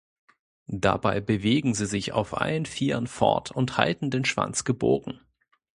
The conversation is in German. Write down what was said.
Dabei bewegen sie sich auf allen vieren fort und halten den Schwanz gebogen.